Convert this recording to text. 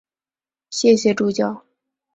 谢谢助教